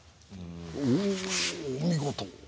お見事。